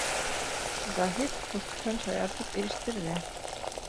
— Заһит ҡустыһын шаяртып ирештерҙе.